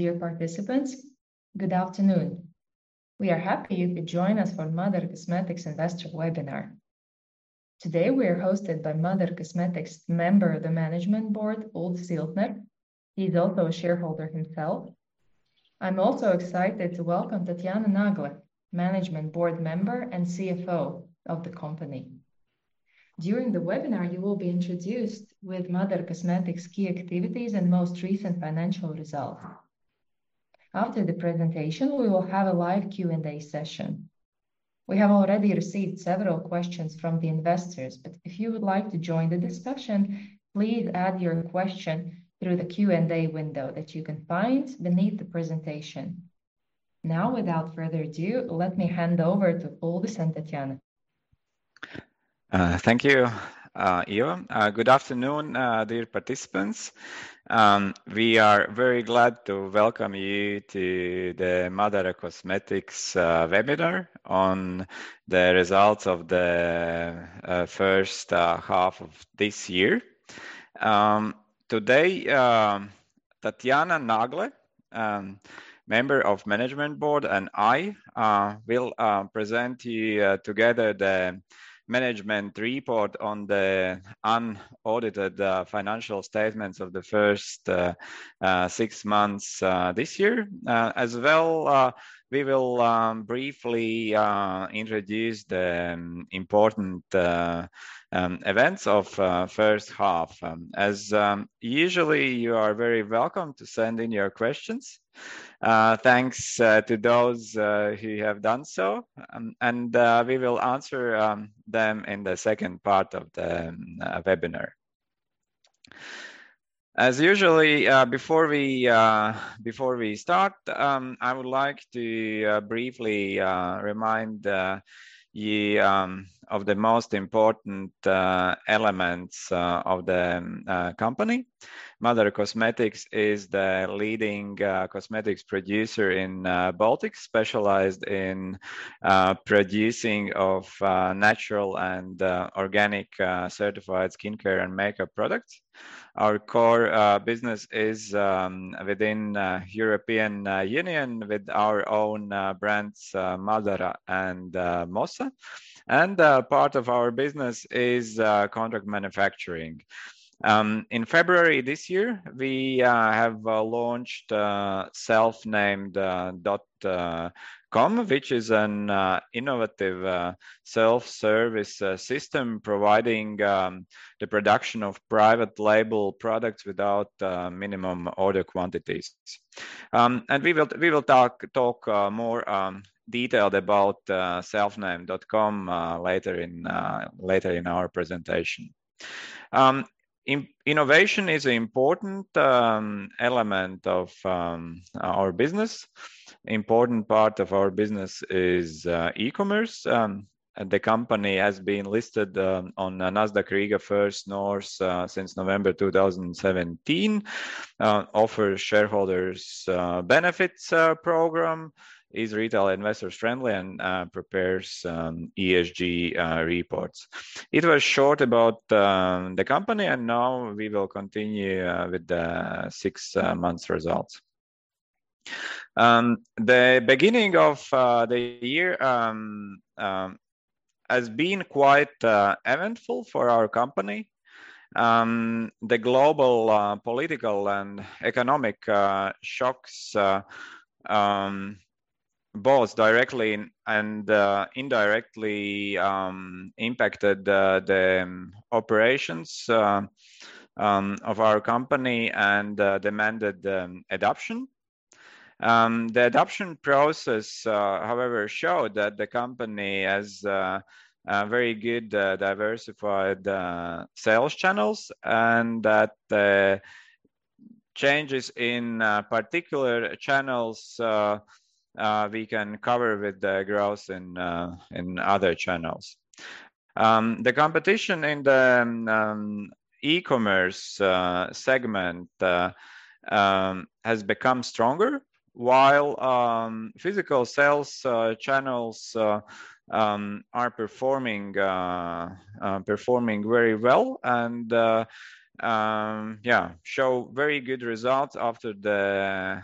Dear participants, good afternoon. We are happy you could join us for MÁDARA Cosmetics investor webinar. Today we are hosted by MÁDARA Cosmetics Member of the Management Board, Uldis Iltners. He is also a shareholder himself. I am also excited to welcome Tatjana Nagle, Management Board Member and CFO of the company. During the webinar, you will be introduced with MÁDARA Cosmetics' key activities and most recent financial results. After the presentation, we will have a live Q&A session. We have already received several questions from the investors, but if you would like to join the discussion, please add your question through the Q&A window that you can find beneath the presentation. Without further ado, let me hand over to Uldis and Tatjana. Thank you, Ieva. Good afternoon, dear participants. We are very glad to welcome you to the MÁDARA Cosmetics webinar on the results of the first half of this year. Today, Tatjana Nagle, Member of the Management Board, and I will present you together the management report on the unaudited financial statements of the first six months this year. We will briefly introduce the important events of first half. As usual, you are very welcome to send in your questions. Thanks to those who have done so, we will answer them in the second part of the webinar. As usual before we start, I would like to briefly remind you of the most important elements of the company. MÁDARA Cosmetics is the leading cosmetics producer in Baltics, specialized in producing of natural and organic certified skincare and makeup products. Our core business is within European Union with our own brands, MÁDARA and Mossa. Part of our business is contract manufacturing. In February this year, we have launched selfnamed.com, which is an innovative self-service system providing the production of private label products without minimum order quantities. We will talk more detailed about selfnamed.com later in our presentation. Innovation is an important element of our business. Important part of our business is e-commerce. The company has been listed on Nasdaq First North Growth Market since November 2017, offers shareholders benefits program, is retail investors friendly, and prepares ESG reports. It was short about the company. We will continue with the six months results. The beginning of the year has been quite eventful for our company. The global political and economic shocks both directly and indirectly impacted the operations of our company and demanded adaptation. The adaptation process, however, showed that the company has very good diversified sales channels and that changes in particular channels we can cover with the growth in other channels. The competition in the e-commerce segment has become stronger while physical sales channels are performing very well and show very good results after the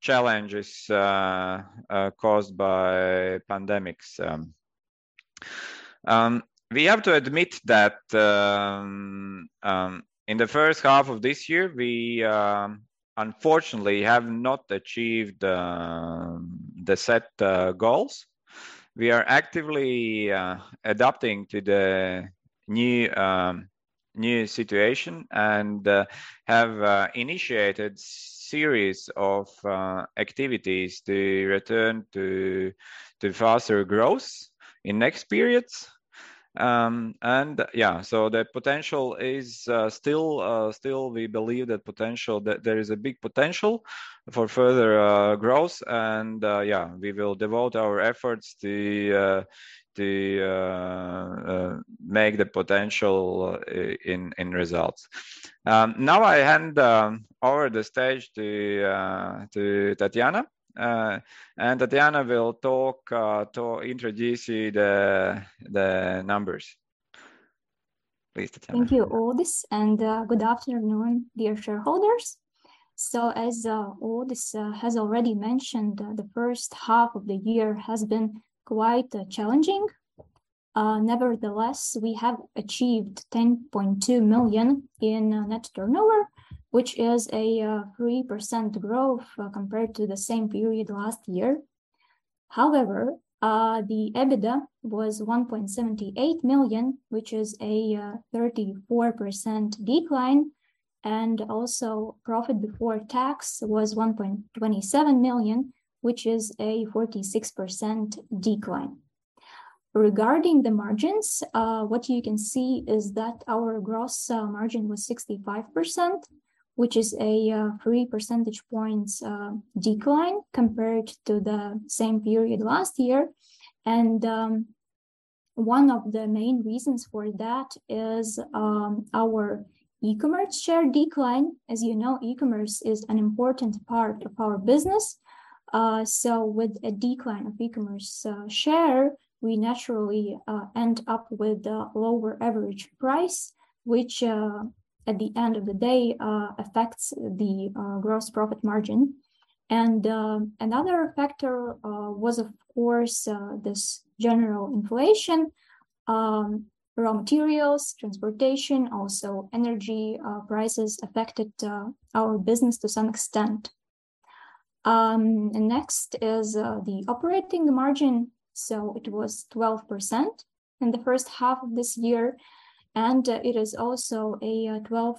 challenges caused by pandemics. We have to admit that in the first half of this year, we unfortunately have not achieved the set goals. We are actively adapting to the new situation and have initiated series of activities to return to faster growth in next periods. We believe that there is a big potential for further growth, we will devote our efforts to make the potential in results. I hand over the stage to Tatjana. Tatjana will talk to introduce you the numbers. Please, Tatjana. Thank you, Uldis, and good afternoon, dear shareholders. As Uldis has already mentioned, the first half of the year has been quite challenging. Nevertheless, we have achieved 10.2 million in net turnover, which is a 3% growth compared to the same period last year. The EBITDA was 1.78 million, which is a 34% decline, and profit before tax was 1.27 million, which is a 46% decline. Regarding the margins, what you can see is that our gross margin was 65%, which is a three percentage points decline compared to the same period last year. One of the main reasons for that is our e-commerce share decline. As you know, e-commerce is an important part of our business. With a decline of e-commerce share, we naturally end up with a lower average price, which at the end of the day, affects the gross profit margin. Another factor was, of course, this general inflation, raw materials, transportation, also energy prices affected our business to some extent. Next is the operating margin. It was 12% in the first half of this year, and it is also a 12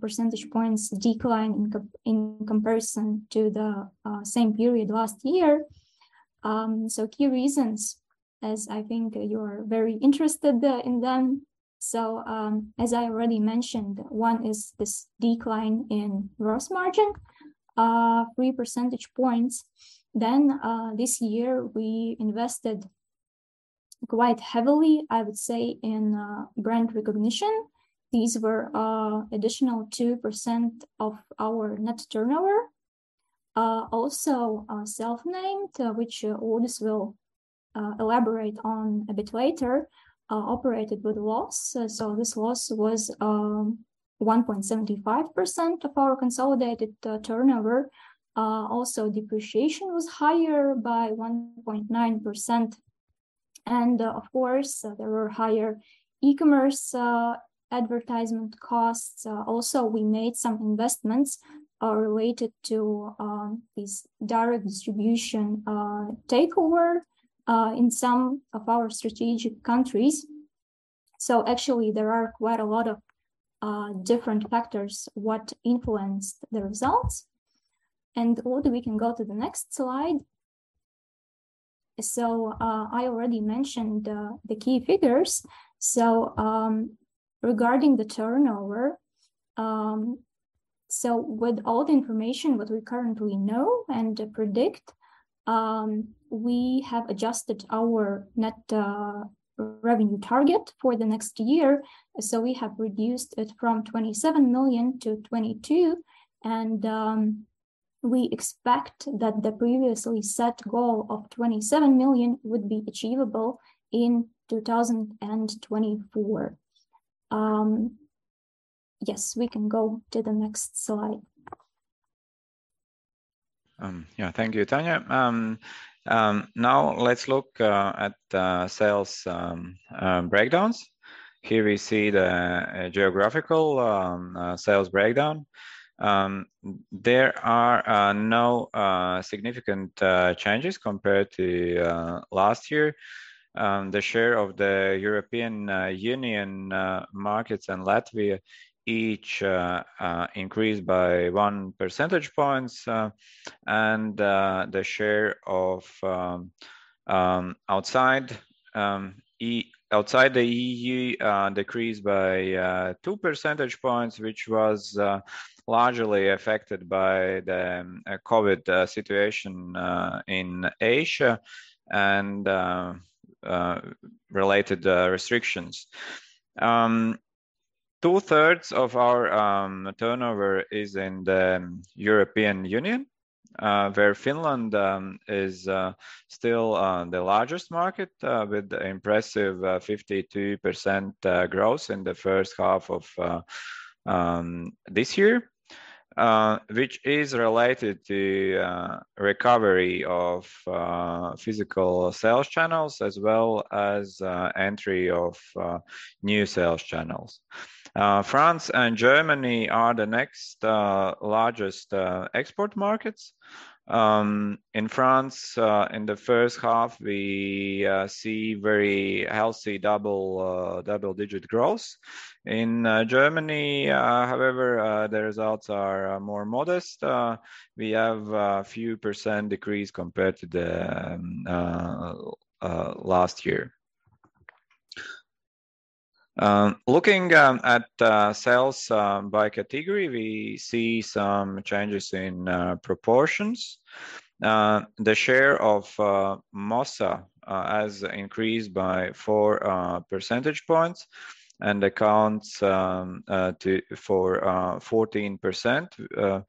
percentage points decline in comparison to the same period last year. Key reasons, as I think you are very interested in them. As I already mentioned, one is this decline in gross margin, three percentage points. This year, we invested quite heavily, I would say, in brand recognition. These were additional 2% of our net turnover. Also, Selfnamed, which Uldis will elaborate on a bit later, operated with loss. This loss was 1.75% of our consolidated turnover. Also, depreciation was higher by 1.9%. Of course, there were higher e-commerce advertisement costs. Also, we made some investments related to this direct distribution takeover in some of our strategic countries. Actually, there are quite a lot of different factors what influenced the results. Uldis, we can go to the next slide. I already mentioned the key figures. Regarding the turnover, with all the information that we currently know and predict, we have adjusted our net revenue target for the next year. We have reduced it from 27 million to 22 million, and we expect that the previously set goal of 27 million would be achievable in 2024. Yes, we can go to the next slide. Thank you, Tanya. Now let's look at sales breakdowns. Here we see the geographical sales breakdown. There are no significant changes compared to last year. The share of the European Union markets and Latvia each increased by one percentage points. The share of outside the EU decreased by two percentage points, which was largely affected by the COVID situation in Asia and related restrictions. Two-thirds of our turnover is in the European Union, where Finland is still the largest market with impressive 52% growth in the first half of this year, which is related to recovery of physical sales channels as well as entry of new sales channels. France and Germany are the next largest export markets. In France, in the first half, we see very healthy double-digit growth. In Germany, however, the results are more modest. We have a few percent decrease compared to the last year. Looking at sales by category, we see some changes in proportions. The share of Mossa has increased by four percentage points and accounts for 14%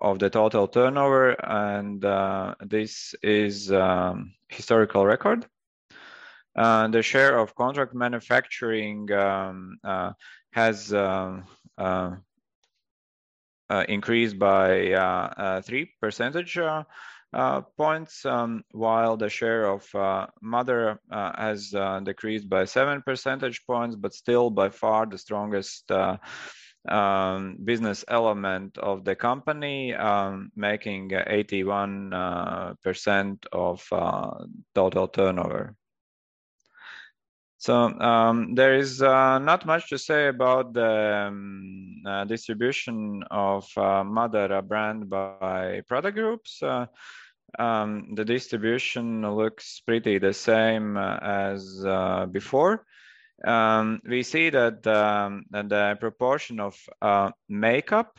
of the total turnover, and this is historical record. The share of contract manufacturing has increased by three percentage points, while the share of MÁDARA has decreased by seven percentage points, but still by far the strongest business element of the company making 81% of total turnover. There is not much to say about the distribution of MÁDARA brand by product groups. The distribution looks pretty the same as before. We see that the proportion of makeup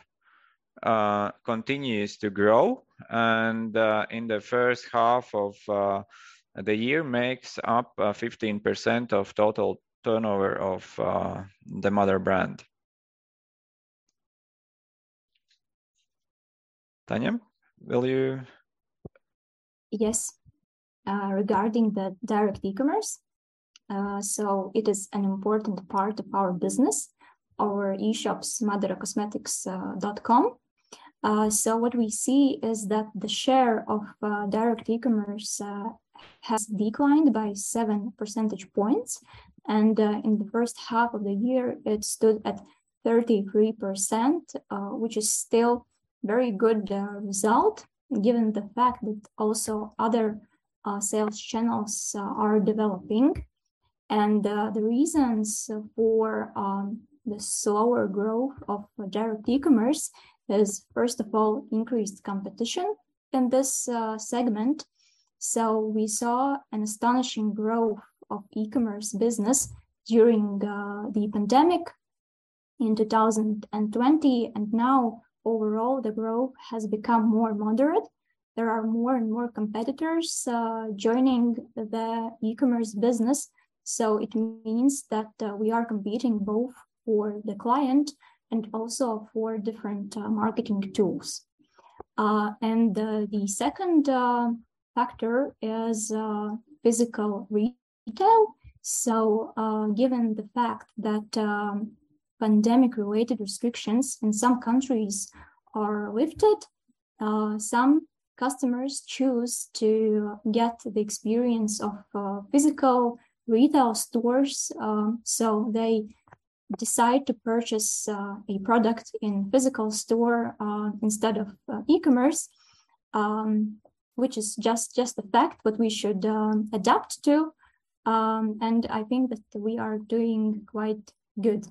continues to grow and in the first half of the year makes up 15% of total turnover of the MÁDARA brand. Tanya, will you? Yes. Regarding the direct e-commerce, it is an important part of our business, our e-shops, madaracosmetics.com. What we see is that the share of direct e-commerce has declined by seven percentage points, and in the first half of the year, it stood at 33%, which is still very good result given the fact that also other sales channels are developing. The reasons for the slower growth of direct e-commerce is, first of all, increased competition in this segment. We saw an astonishing growth of e-commerce business during the pandemic in 2020, and now overall, the growth has become more moderate. There are more and more competitors joining the e-commerce business, it means that we are competing both for the client and also for different marketing tools. The second factor is physical retail. Given the fact that pandemic-related restrictions in some countries are lifted, some customers choose to get the experience of physical retail stores, they decide to purchase a product in physical store instead of e-commerce which is just a fact what we should adapt to, I think that we are doing quite good.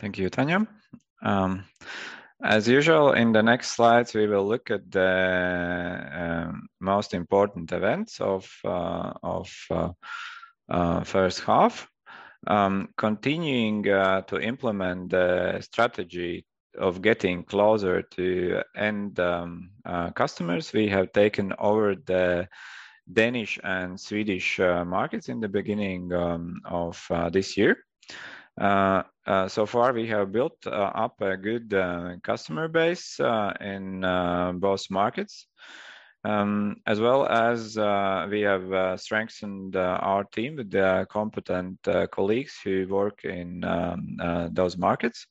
Thank you, Tanya. As usual, in the next slides, we will look at the most important events of first half. Continuing to implement the strategy of getting closer to end customers, we have taken over the Danish and Swedish markets in the beginning of this year. So far, we have built up a good customer base in both markets as well as we have strengthened our team with the competent colleagues who work in those markets.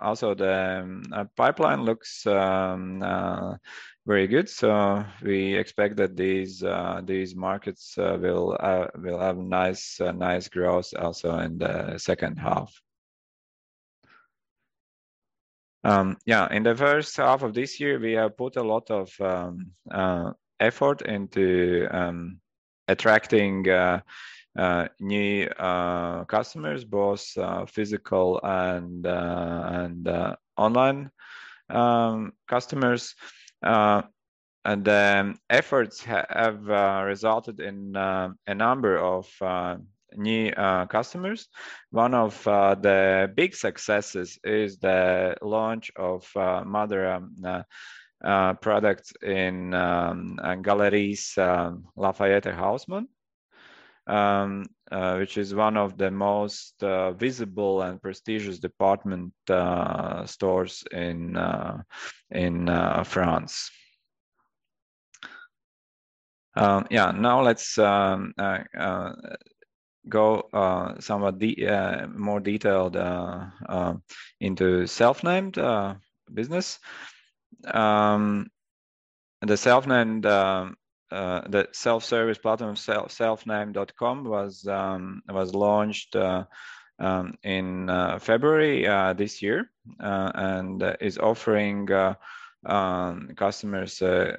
Also the pipeline looks very good, so we expect that these markets will have nice growth also in the second half. In the first half of this year, we have put a lot of effort into attracting new customers, both physical and online customers. The efforts have resulted in a number of new customers. One of the big successes is the launch of MÁDARA products in Galeries Lafayette Haussmann which is one of the most visible and prestigious department stores in France. Now let's go somewhat more detailed into Selfnamed business. The self-service platform selfnamed.com was launched in February this year and is offering customers a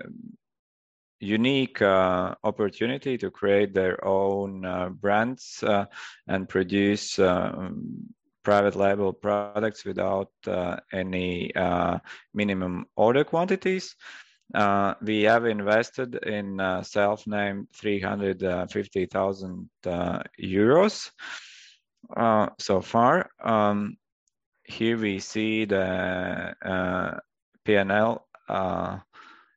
unique opportunity to create their own brands and produce private label products without any minimum order quantities. We have invested in Selfnamed EUR 350,000 so far. Here we see the P&L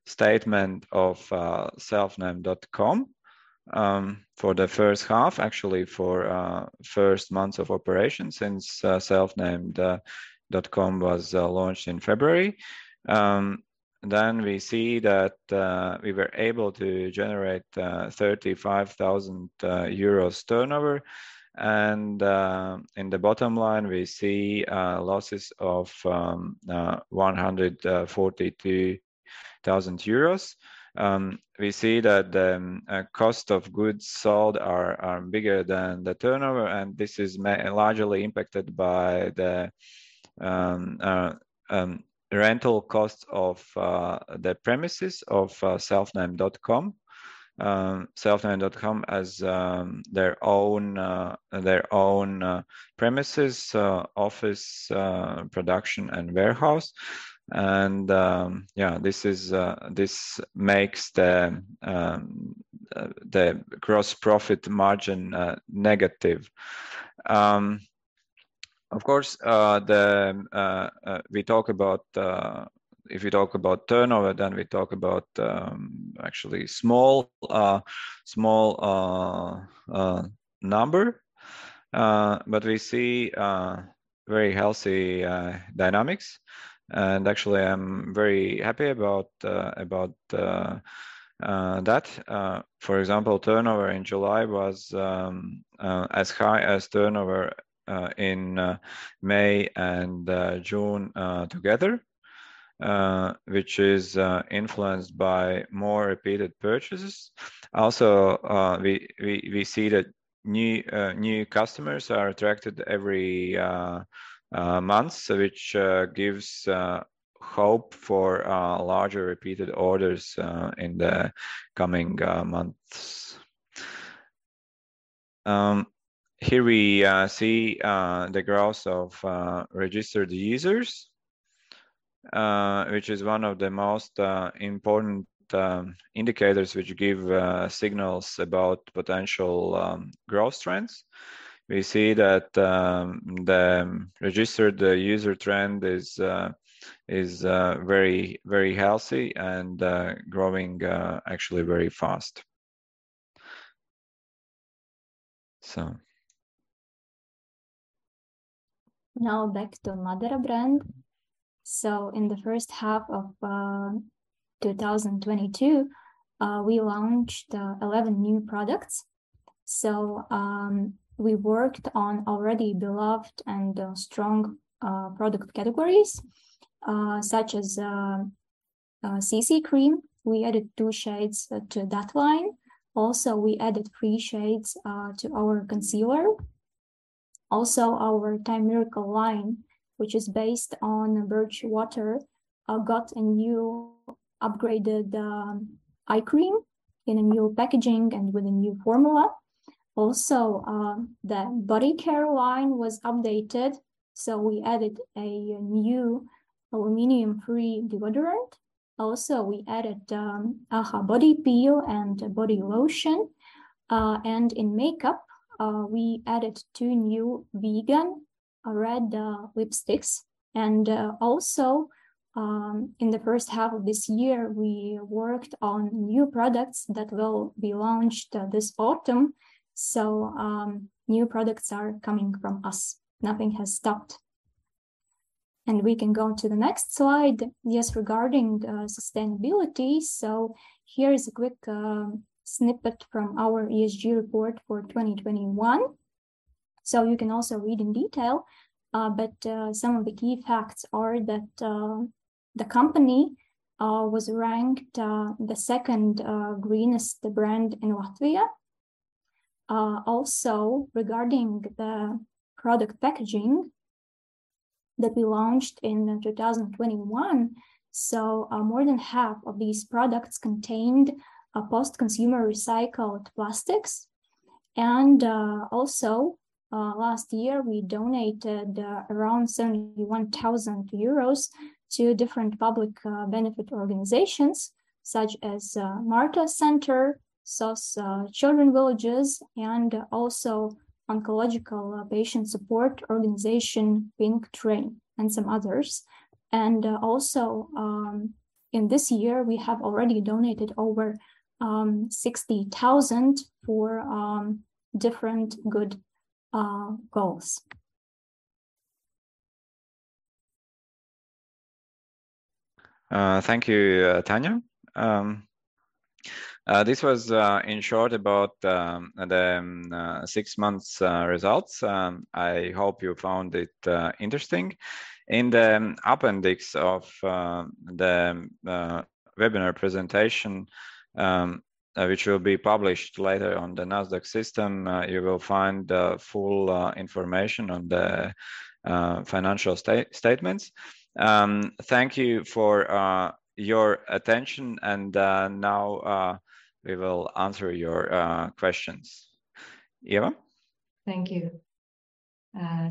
statement of selfnamed.com for the first half, actually for first months of operation since selfnamed.com was launched in February. We see that we were able to generate 35,000 euros turnover and in the bottom line, we see losses of 143,000 euros. We see that the cost of goods sold are bigger than the turnover, and this is largely impacted by the rental cost of the premises of selfnamed.com. Selfnamed.com has their own premises, office, production, and warehouse, and this makes the gross profit margin negative. Of course, if you talk about turnover, then we talk about actually small number, but we see very healthy dynamics, and actually, I am very happy about that. For example, turnover in July was as high as turnover in May and June together, which is influenced by more repeated purchases. Also, we see that new customers are attracted every month, which gives hope for larger repeated orders in the coming months. Here we see the growth of registered users, which is one of the most important indicators which give signals about potential growth trends. We see that the registered user trend is very healthy and growing actually very fast. Back to MÁDARA brand. In the first half of 2022, we launched 11 new products. We worked on already beloved and strong product categories, such as CC cream. We added two shades to that line. Also, we added three shades to our concealer. Also, our Time Miracle line, which is based on birch water, got a new upgraded eye cream in a new packaging and with a new formula. Also, the body care line was updated. We added a new aluminum-free deodorant. Also, we added a body peel and a body lotion. And in makeup, we added two new vegan red lipsticks. Also, in the first half of this year, we worked on new products that will be launched this autumn, so new products are coming from us. Nothing has stopped. We can go to the next slide. Yes, regarding sustainability, here is a quick snippet from our ESG report for 2021. You can also read in detail, but some of the key facts are that the company was ranked the second greenest brand in Latvia. Also, regarding the product packaging that we launched in 2021, more than half of these products contained post-consumer recycled plastics. Last year, we donated around 71,000 euros to different public benefit organizations such as MARTA Centre, SOS Children's Villages, and also oncological patient support organization, Pink Train, and some others. In this year, we have already donated over 60,000 for different good goals. Thank you, Tanya. This was in short about the six months results. I hope you found it interesting. In the appendix of the webinar presentation, which will be published later on the Nasdaq system, you will find full information on the financial statements. Thank you for your attention. Now we will answer your questions. Ieva? Thank you.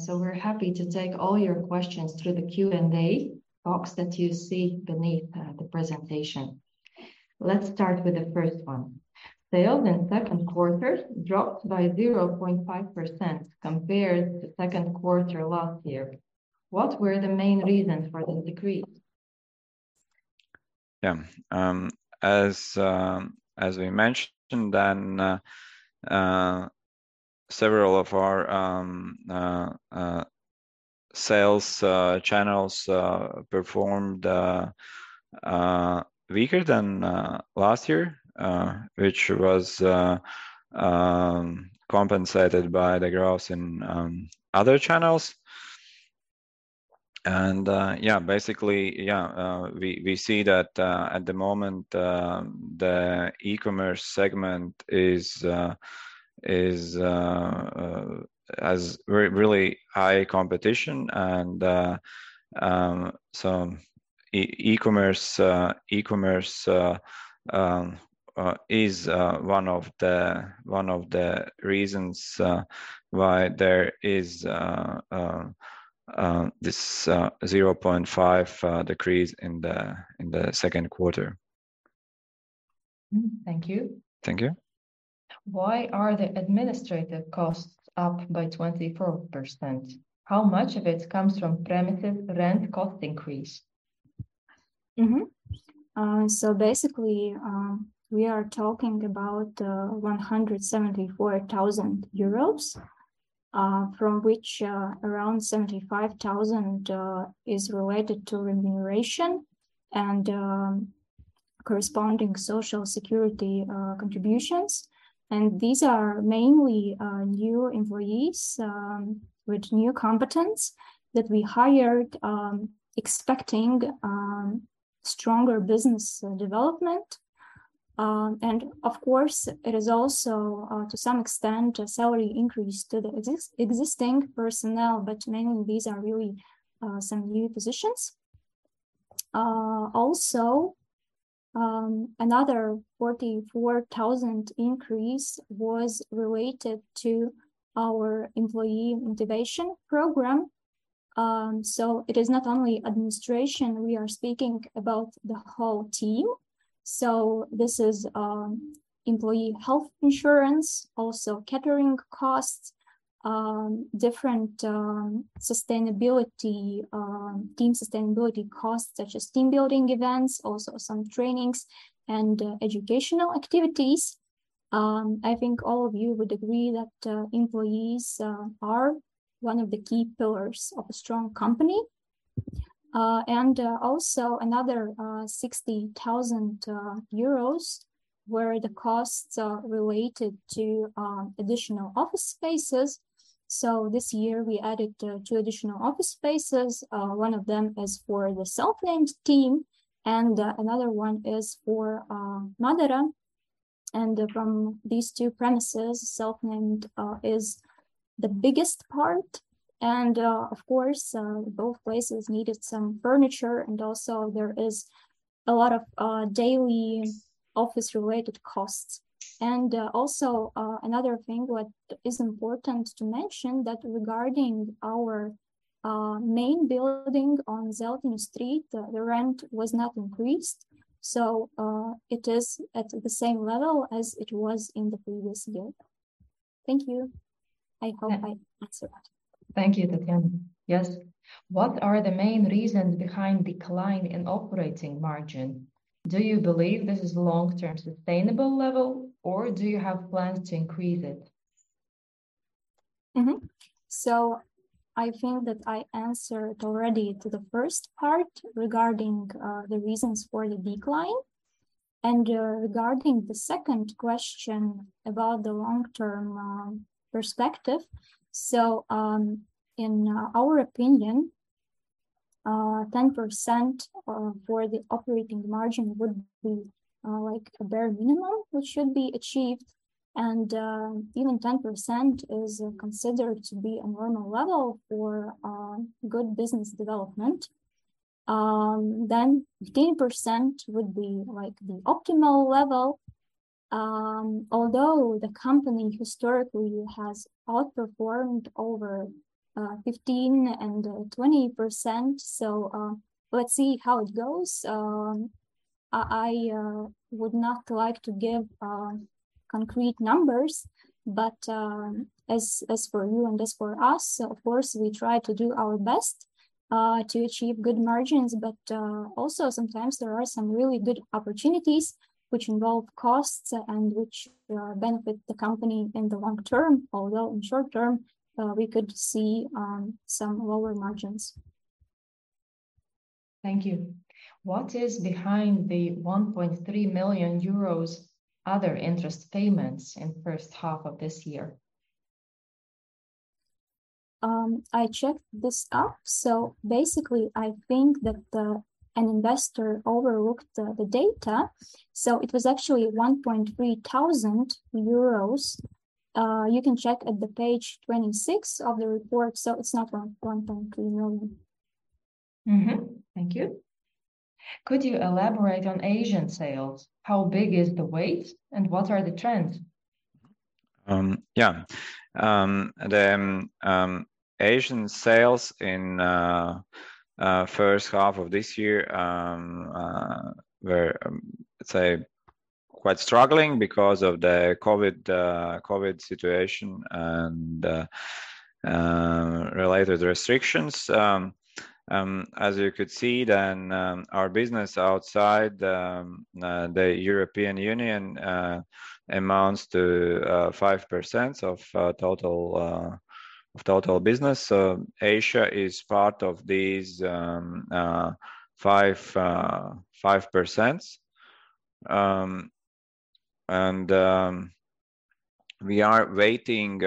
We're happy to take all your questions through the Q&A box that you see beneath the presentation. Let's start with the first one. Sales in second quarter dropped by 0.5% compared to second quarter last year. What were the main reasons for the decrease? As we mentioned, several of our sales channels performed weaker than last year, which was compensated by the growth in other channels. We see that at the moment, the e-commerce segment has really high competition. E-commerce is one of the reasons why there is this 0.5 decrease in the second quarter. Thank you. Thank you. Why are the administrative costs up by 24%? How much of it comes from premises rent cost increase? Basically, we are talking about €174,000, from which around 75,000 is related to remuneration and corresponding social security contributions. These are mainly new employees with new competence that we hired expecting stronger business development. Of course, it is also, to some extent, a salary increase to the existing personnel, but mainly these are really some new positions. Also, another 44,000 increase was related to our employee motivation program. It is not only administration. We are speaking about the whole team. This is employee health insurance, also catering costs, different team sustainability costs, such as team-building events, also some trainings and educational activities. I think all of you would agree that employees are one of the key pillars of a strong company. Also, another €60,000 where the costs are related to additional office spaces. This year, we added two additional office spaces. One of them is for the Selfnamed team, and another one is for MÁDARA. From these two premises, Selfnamed is the biggest part. Of course, both places needed some furniture, and there is a lot of daily office-related costs. Another thing what is important to mention that regarding our main building on Zeltiņu iela, the rent was not increased, so it is at the same level as it was in the previous year. Thank you. I hope I answered that. Thank you, Tatjana. Yes. What are the main reasons behind decline in operating margin? Do you believe this is long-term sustainable level, or do you have plans to increase it? I think that I answered already to the first part regarding the reasons for the decline. Regarding the second question about the long-term perspective, in our opinion, 10% for the operating margin would be a bare minimum, which should be achieved. Even 10% is considered to be a normal level for good business development. 15% would be the optimal level, although the company historically has outperformed over 15% and 20%. Let's see how it goes. I would not like to give concrete numbers. As for you and as for us, of course, we try to do our best to achieve good margins. Also sometimes there are some really good opportunities which involve costs and which benefit the company in the long term. Although in short term, we could see some lower margins. Thank you. What is behind the 1.3 million euros other interest payments in first half of this year? I checked this up. Basically, I think that an investor overlooked the data. It was actually 1,300 euros. You can check at the page 26 of the report, it's not 1.3 million. Thank you. Could you elaborate on Asian sales? How big is the weight, and what are the trends? The Asian sales in first half of this year were, let's say, quite struggling because of the COVID situation and related restrictions. As you could see then, our business outside the European Union amounts to 5% of total business. Asia is part of these 5%. We are waiting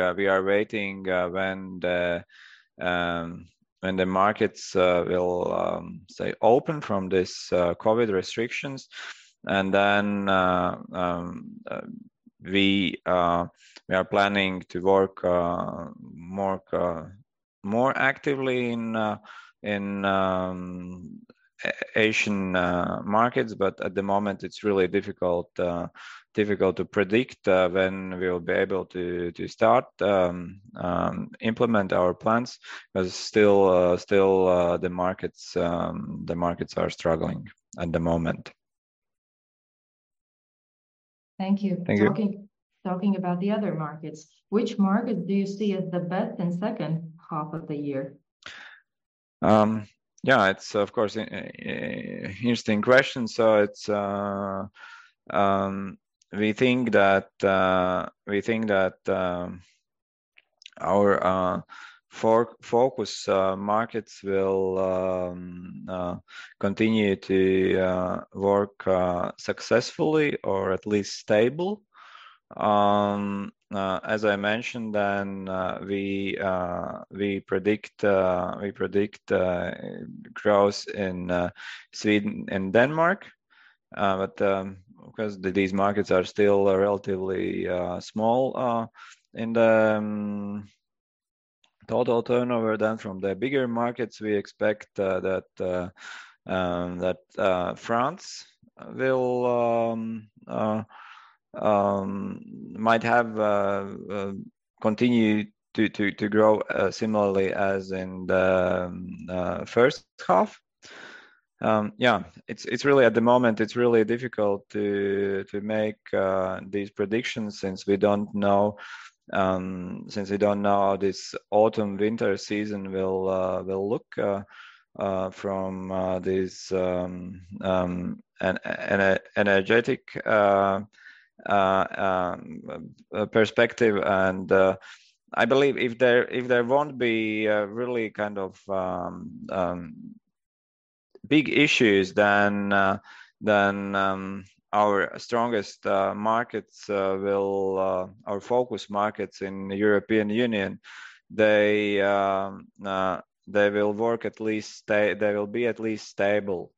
when the markets will stay open from these COVID restrictions, then we are planning to work more actively in Asian markets, at the moment, it's really difficult to predict when we'll be able to start implement our plans because still the markets are struggling at the moment. Thank you. Thank you. Talking about the other markets, which market do you see as the best in second half of the year? It's, of course, interesting question. We think that our focus markets will continue to work successfully or at least stable. As I mentioned, we predict growth in Sweden and Denmark, because these markets are still relatively small in the total turnover, from the bigger markets, we expect that France might have continued to grow similarly as in the first half. At the moment, it's really difficult to make these predictions since we don't know how this autumn-winter season will look from this energetic perspective. I believe if there won't be really big issues, then our strongest markets, our focus markets in European Union, they will be at least stable.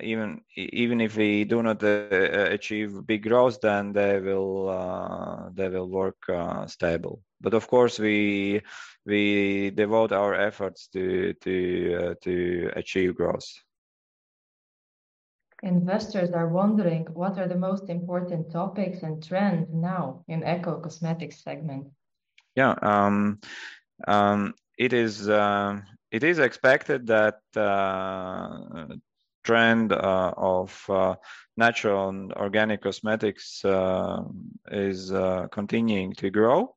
Even if we do not achieve big growth, then they will work stable. Of course, we devote our efforts to achieve growth. Investors are wondering what are the most important topics and trends now in eco-cosmetic segment. It is expected that trend of natural and organic cosmetics is continuing to grow.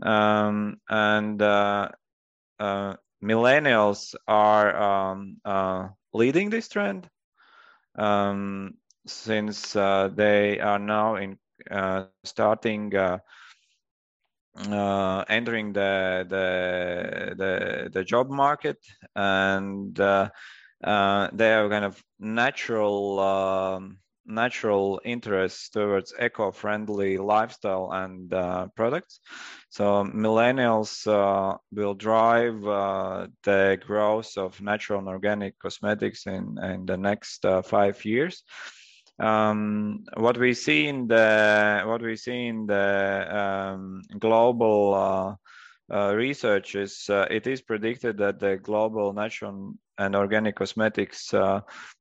Millennials are leading this trend since they are now starting entering the job market and they have natural interest towards eco-friendly lifestyle and products. Millennials will drive the growth of natural and organic cosmetics in the next 5 years. What we see in the global research is it is predicted that the global natural and organic cosmetics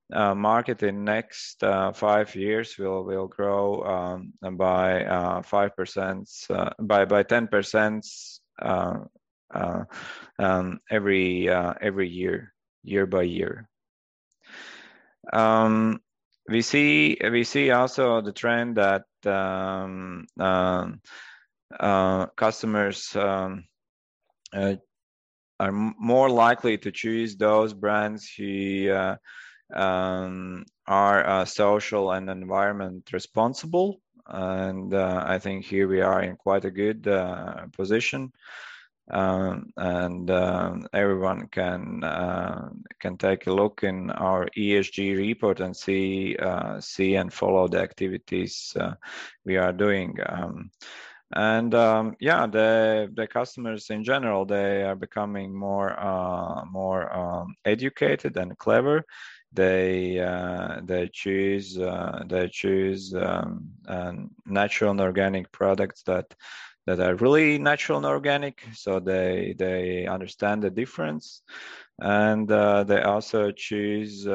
market in next 5 years will grow by 10% every year by year. We see also the trend that customers are more likely to choose those brands who are social and environment responsible. I think here we are in quite a good position. Everyone can take a look in our ESG report and see and follow the activities we are doing. The customers, in general, they are becoming more educated and clever. They choose natural and organic products that are really natural and organic. They understand the difference. They also choose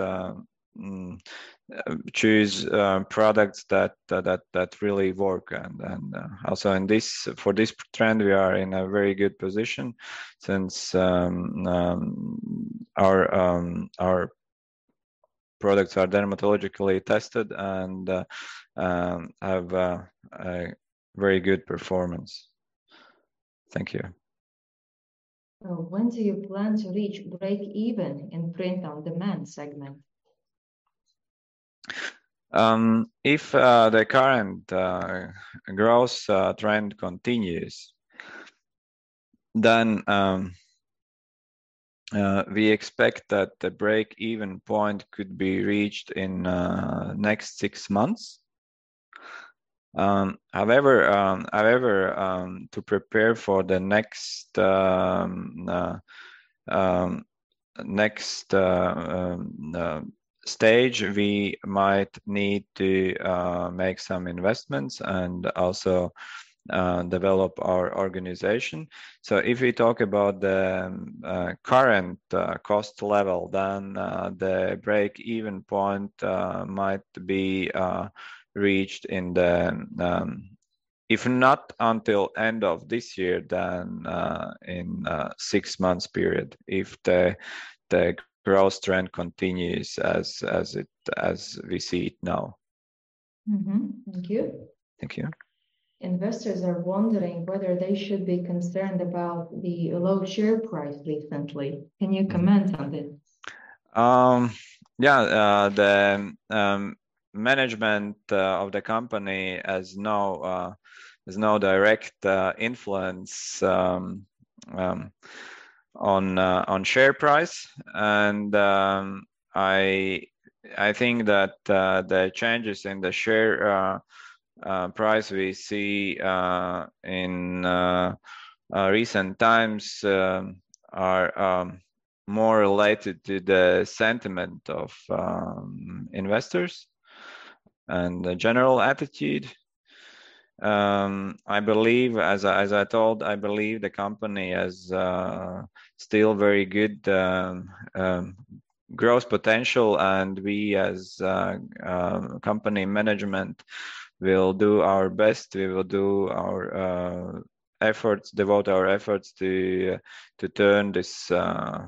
products that really work. Also for this trend, we are in a very good position since our products are dermatologically tested and have a very good performance. Thank you. When do you plan to reach break-even in print-on-demand segment? If the current growth trend continues, then we expect that the break-even point could be reached in next six months. However, to prepare for the next stage, we might need to make some investments and also develop our organization. If we talk about the current cost level, then the break-even point might be reached if not until end of this year, then in six months period, if the growth trend continues as we see it now. Thank you. Thank you. Investors are wondering whether they should be concerned about the low share price recently. Can you comment on this? Yeah. The management of the company has no direct influence on share price. I think that the changes in the share price we see in recent times are more related to the sentiment of investors and the general attitude. As I told, I believe the company has still very good growth potential. We, as company management, will do our best. We will devote our efforts to turn this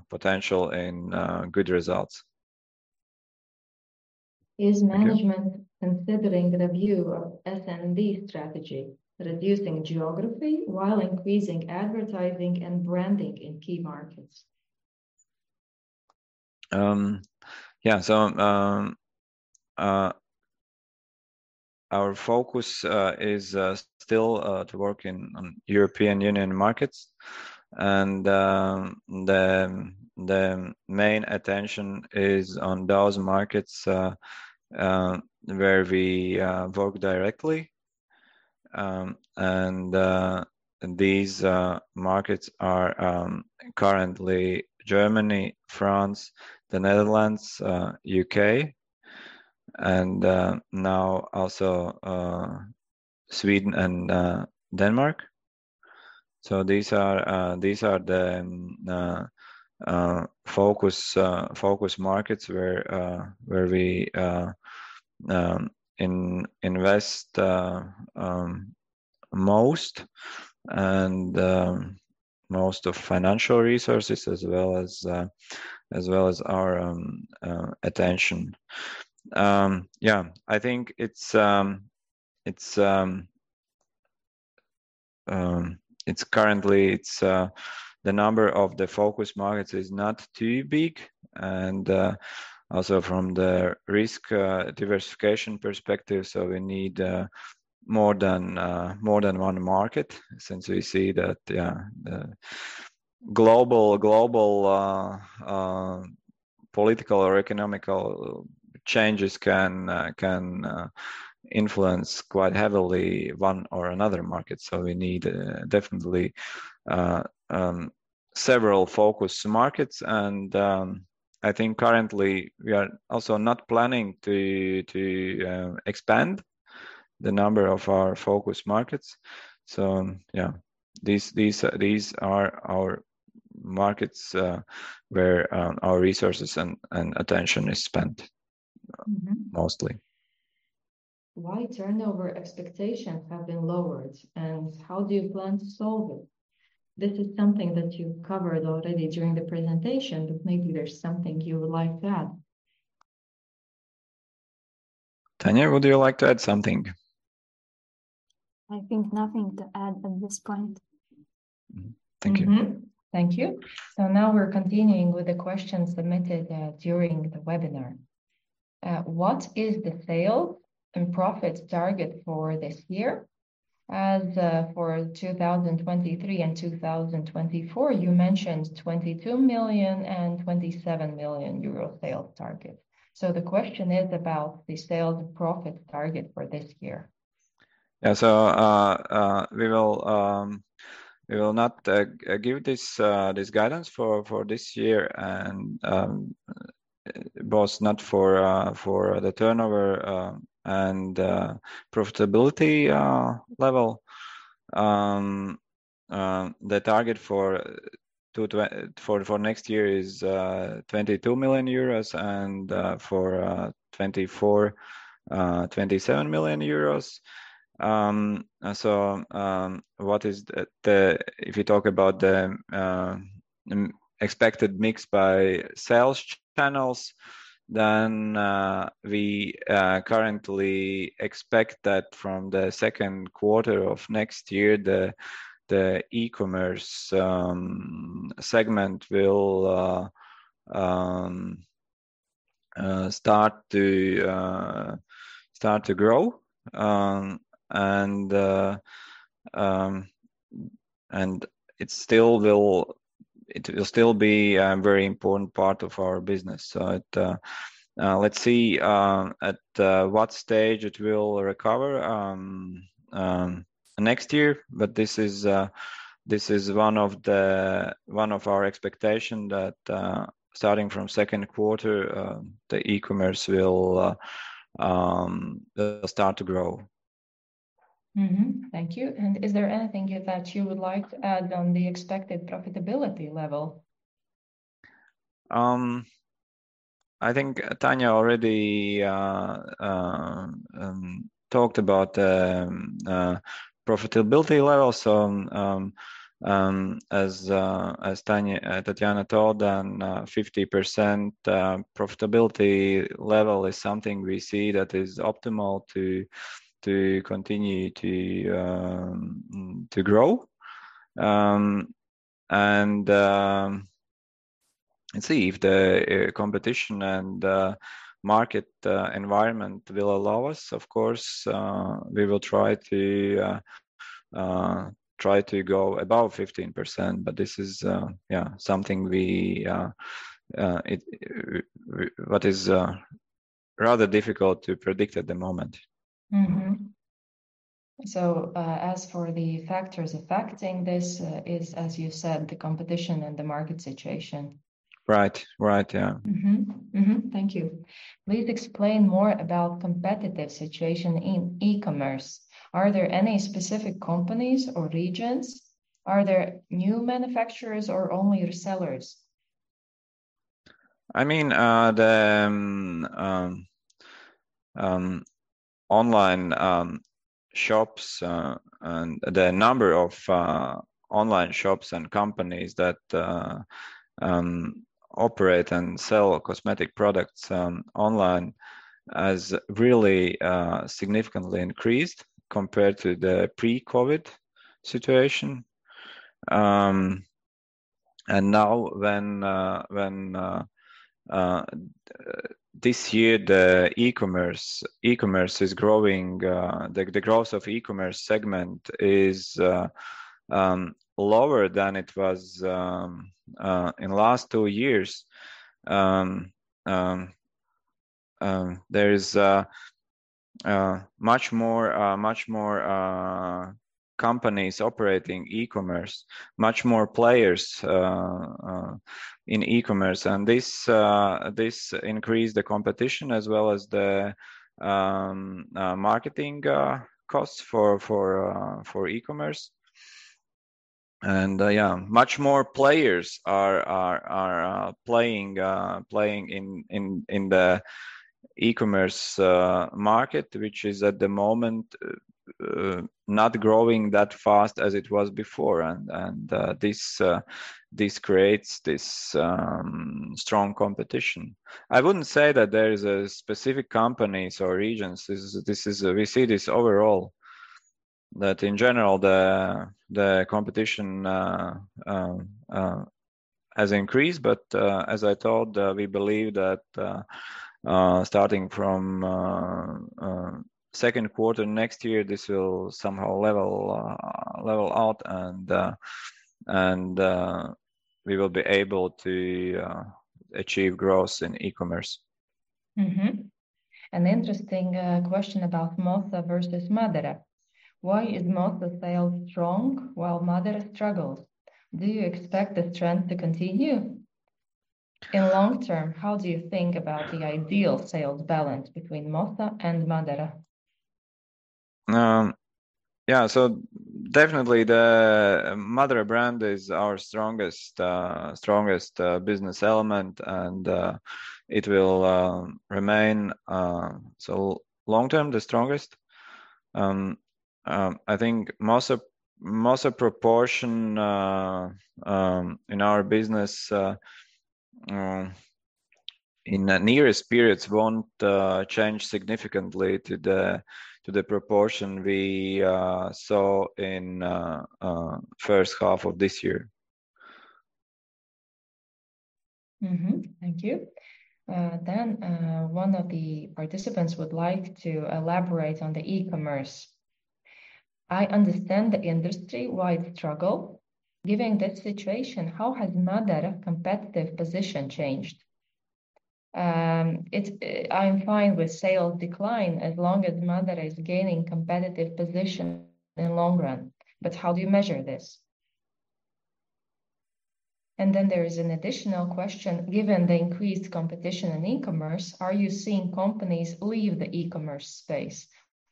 potential in good results. Okay. Is management considering review of S&D strategy, reducing geography while increasing advertising and branding in key markets? Our focus is still to work on European Union markets, and the main attention is on those markets where we work directly, and these markets are currently Germany, France, the Netherlands, U.K., and now also Sweden and Denmark. These are the focus markets where we invest most and most of financial resources as well as our attention. I think currently, the number of the focus markets is not too big and also from the risk diversification perspective. We need more than one market since we see that the global political or economical changes can influence quite heavily one or another market. We need definitely several focus markets, and I think currently we are also not planning to expand the number of our focus markets. These are our markets where our resources and attention is spent mostly. Why turnover expectations have been lowered, and how do you plan to solve it? This is something that you covered already during the presentation, but maybe there is something you would like to add. Tania, would you like to add something? I think nothing to add at this point. Thank you. Thank you. Now we're continuing with the questions submitted during the webinar. What is the sale and profit target for this year? As for 2023 and 2024, you mentioned 22 million and 27 million euro sales target. The question is about the sales profit target for this year. We will not give this guidance for this year, and both not for the turnover and profitability level. The target for next year is 22 million euros and for 2024, 27 million euros. If you talk about the expected mix by sales channels, we currently expect that from the second quarter of next year, the e-commerce segment will start to grow and it will still be a very important part of our business. Let's see at what stage it will recover next year, but this is one of our expectation that starting from second quarter, the e-commerce will start to grow. Thank you. Is there anything here that you would like to add on the expected profitability level? I think Tanya already talked about profitability levels. As Tatjana told, an 50% profitability level is something we see that is optimal to continue to grow. See if the competition and the market environment will allow us, of course, we will try to go above 15%, this is something that is rather difficult to predict at the moment. As for the factors affecting this is, as you said, the competition and the market situation. Right. Yeah. Thank you. Please explain more about competitive situation in e-commerce. Are there any specific companies or regions? Are there new manufacturers or only resellers? The number of online shops and companies that operate and sell cosmetic products online has really significantly increased compared to the pre-COVID situation. Now this year, the growth of e-commerce segment is lower than it was in last 2 years. There is much more companies operating e-commerce, much more players in e-commerce, and this increased the competition as well as the marketing costs for e-commerce. Much more players are playing in the e-commerce market, which is at the moment not growing that fast as it was before, and this creates this strong competition. I wouldn't say that there is a specific companies or regions. We see this overall, that in general, the competition has increased, but as I told, we believe that starting from second quarter next year, this will somehow level out and we will be able to achieve growth in e-commerce. An interesting question about Mossa versus MÁDARA. Why is Mossa sales strong while MÁDARA struggles? Do you expect the trend to continue? In long-term, how do you think about the ideal sales balance between Mossa and MÁDARA? Definitely the MÁDARA brand is our strongest business element, and it will remain long-term the strongest. I think Mossa proportion in our business in the nearest periods won't change significantly to the proportion we saw in first half of this year. Mm-hmm. Thank you. One of the participants would like to elaborate on the e-commerce. I understand the industry-wide struggle. Given that situation, how has MÁDARA competitive position changed? I am fine with sales decline as long as MÁDARA is gaining competitive position in long run. How do you measure this? There is an additional question: given the increased competition in e-commerce, are you seeing companies leave the e-commerce space,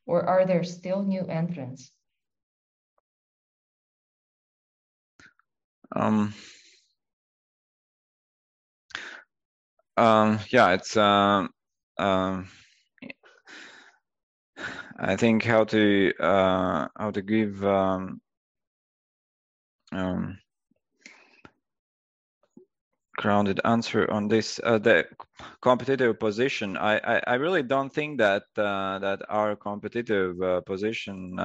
or are there still new entrants? Yeah. I think how to give a grounded answer on the competitive position. I really do not think that our competitive position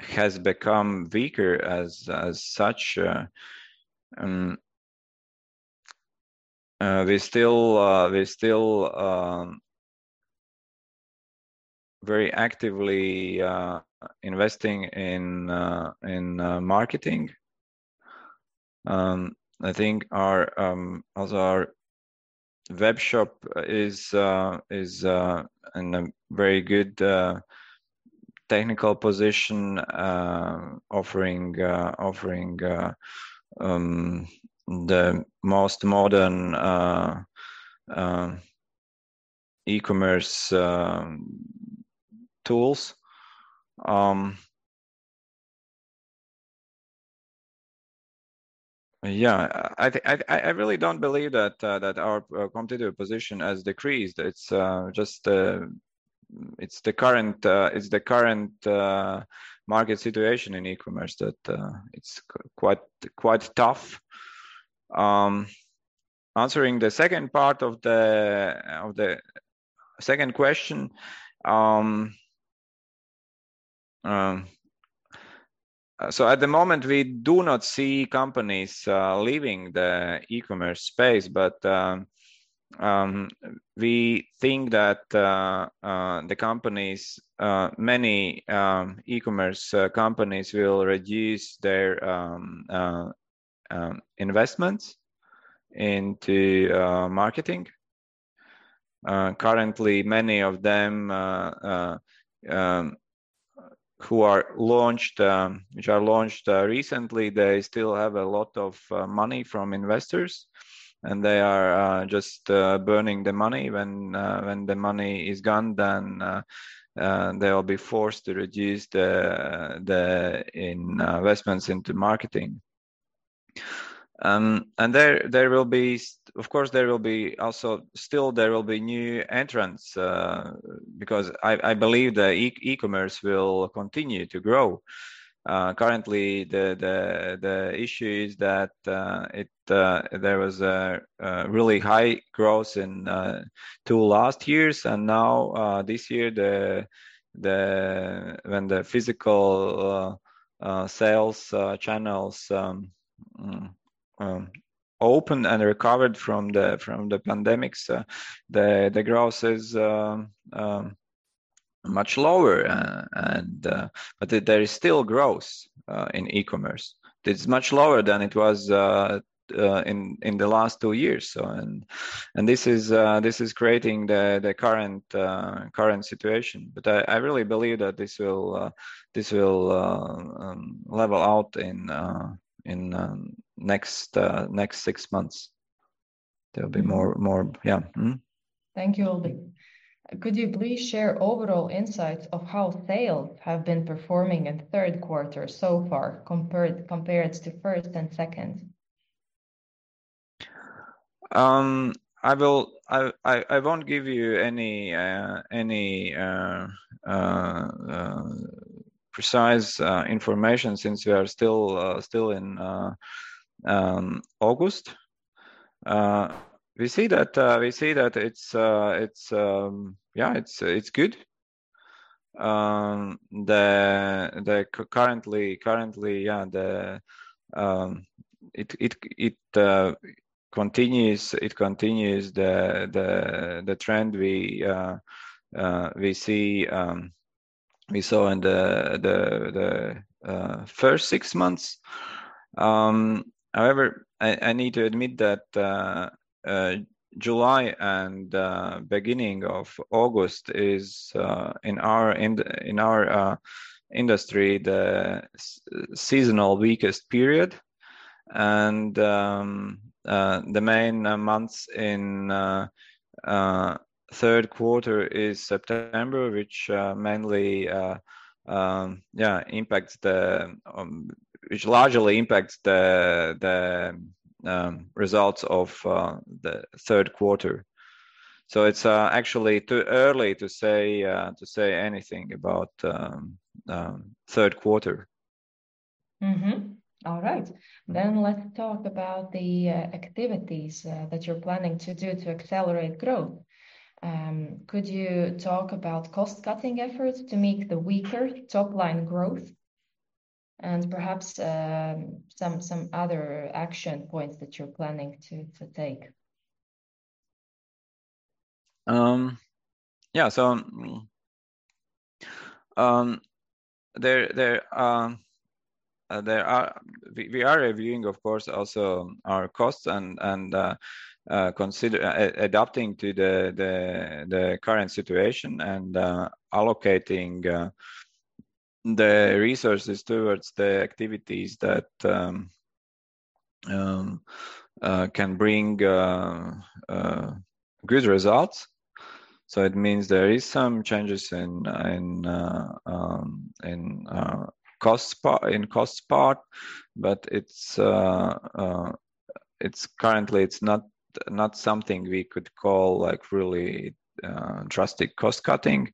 has become weaker as such. We are still very actively investing in marketing. I think our webshop is in a very good technical position, offering the most modern e-commerce tools. Yeah, I really do not believe that our competitive position has decreased. It is the current market situation in e-commerce that it is quite tough. Answering the second part of the second question, at the moment, we do not see companies leaving the e-commerce space, we think that many e-commerce companies will reduce their investments into marketing. Currently, many of them which are launched recently, they still have a lot of money from investors and they are just burning the money. When the money is gone, they will be forced to reduce the investments into marketing. Of course, still there will be new entrants because I believe that e-commerce will continue to grow. Currently, the issue is that there was a really high growth in two last years, and now, this year, when the physical sales channels opened and recovered from the pandemics, the growth is much lower. There is still growth in e-commerce. It is much lower than it was in the last two years, and this is creating the current situation. I really believe that this will level out in next six months. There will be more. Yeah. Mm-hmm. Thank you, Uldis. Could you please share overall insights of how sales have been performing in the third quarter so far compared to first and second? I won't give you any precise information since we are still in August. We see that it's good. Currently, it continues the trend we saw in the first six months. However, I need to admit that July and beginning of August is, in our industry, the seasonal weakest period. The main months in third quarter is September, which largely impacts the results of the third quarter. It's actually too early to say anything about third quarter. All right. Let's talk about the activities that you're planning to do to accelerate growth. Could you talk about cost-cutting efforts to make the weaker top-line growth and perhaps some other action points that you're planning to take? We are reviewing, of course, also our costs and adapting to the current situation and allocating the resources towards the activities that can bring good results. It means there is some changes in cost part, but currently it's not something we could call really drastic cost-cutting.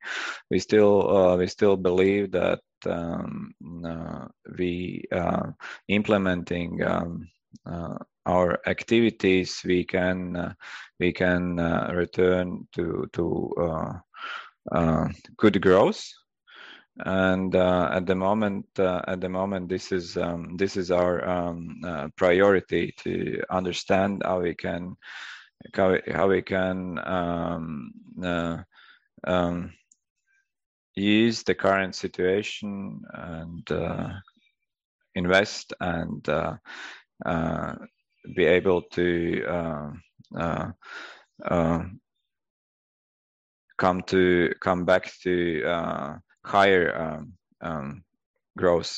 We still believe that we implementing our activities, we can return to good growth. At the moment, this is our priority to understand how we can use the current situation and invest and be able to come back to higher growth.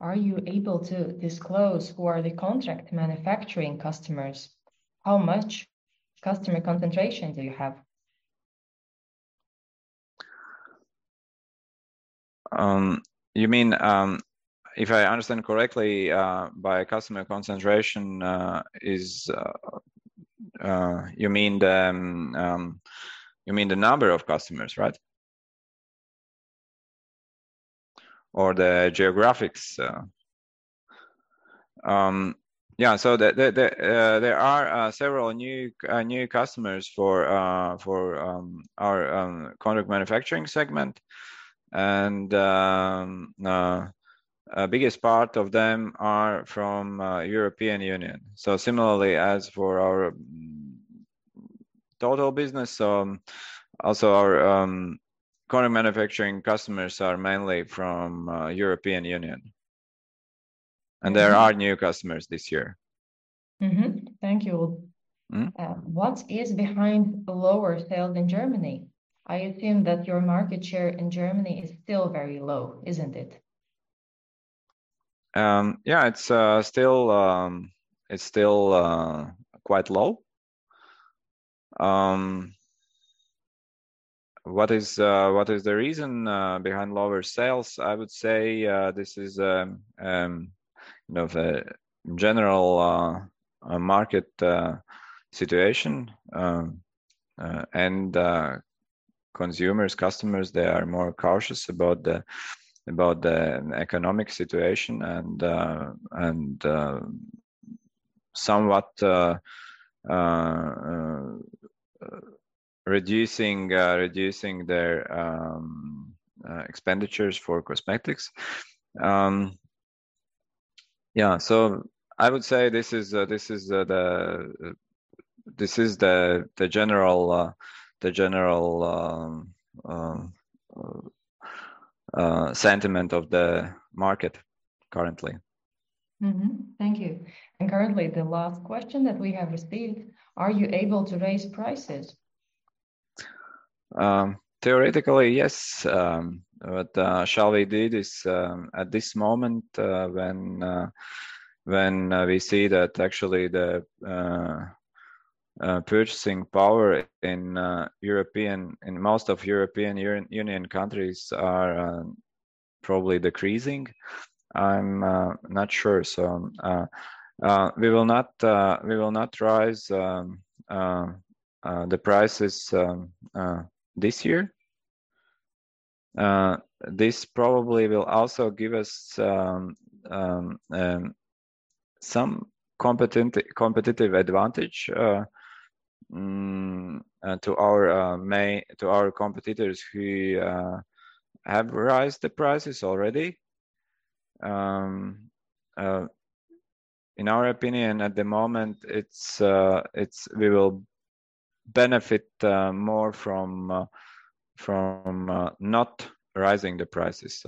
Are you able to disclose who are the contract manufacturing customers? How much customer concentration do you have? If I understand correctly, by customer concentration you mean the number of customers, right? Or the geographics. There are several new customers for our contract manufacturing segment, Biggest part of them are from European Union. Similarly, as for our total business, also our contract manufacturing customers are mainly from European Union. There are new customers this year. Thank you. What is behind lower sales in Germany? I assume that your market share in Germany is still very low, isn't it? Yeah. It's still quite low. What is the reason behind lower sales? I would say this is the general market situation. Consumers, customers, they are more cautious about the economic situation and somewhat reducing their expenditures for cosmetics. I would say this is the general sentiment of the market currently. Mm-hmm. Thank you. Currently the last question that we have received, are you able to raise prices? Theoretically, yes. What shall we do is at this moment when we see that actually the purchasing power in most of European Union countries are probably decreasing, I'm not sure. We will not raise the prices this year. This probably will also give us some competitive advantage to our competitors who have raised the prices already. In our opinion, at the moment, we will benefit more from not raising the prices.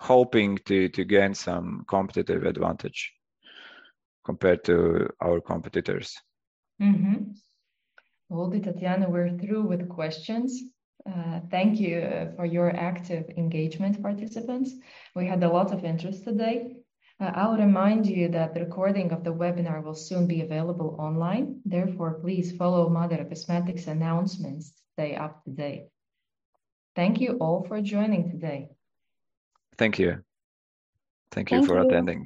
Hoping to gain some competitive advantage compared to our competitors. Mm-hmm. Uldis, Tatjana, we're through with questions. Thank you for your active engagement, participants. We had a lot of interest today. I'll remind you that the recording of the webinar will soon be available online. Please follow MÁDARA Cosmetics announcements to stay up to date. Thank you all for joining today. Thank you. Thank you. Thank you for attending.